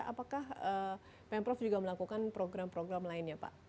apakah pemprov juga melakukan program program lainnya pak